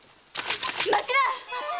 待ちなっ！